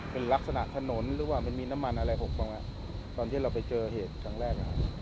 เป็นลักษณะถนนหรือว่ามันมีน้ำมันอะไรหกบ้างตอนที่เราไปเจอเหตุครั้งแรก